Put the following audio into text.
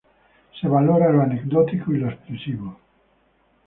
Se valora lo anecdótico y lo expresivo.